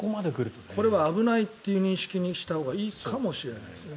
これは危ないという認識にしたほうがいいかもしれない。